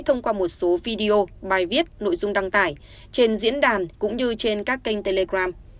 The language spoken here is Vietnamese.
thông qua một số video bài viết nội dung đăng tải trên diễn đàn cũng như trên các kênh telegram